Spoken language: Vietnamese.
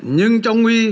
nhưng trong nguy